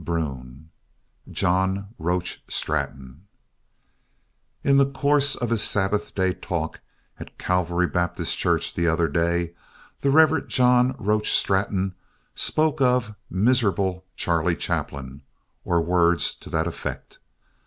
II JOHN ROACH STRATON In the course of his Sabbath day talk at Calvary Baptist Church the other day the Rev. Dr. John Roach Straton spoke of "miserable Charlie Chaplin," or words to that effect.